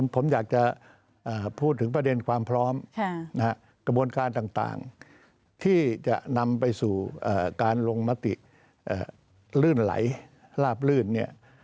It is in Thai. ผมอยากจะพูดถึงประเด็นความพร้อมกระบวนการต่างที่จะนำไปสู่การลงมติลื่นไหลลาบลื่นเนี่ย